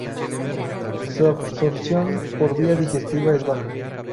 Su absorción por vía digestiva es baja.